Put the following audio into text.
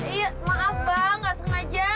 iya maaf bang gak sengaja